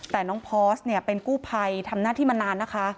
แต่น้องพอสเนี่ยเป็นกู้ภัยทำหน้าที่มานานนะคะ